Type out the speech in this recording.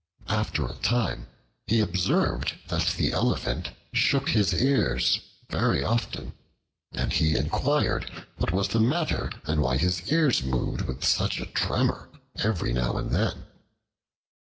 After a time he observed that the Elephant shook his ears very often, and he inquired what was the matter and why his ears moved with such a tremor every now and then.